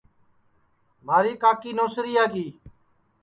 مہاری کاکی نوسریا کی